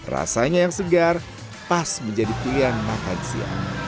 rasanya yang segar pas menjadi pilihan makan siang